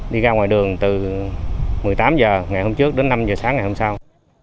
đi ra ngoài đường từ một mươi tám h ngày hôm trước đến năm h sáng ngày hôm sau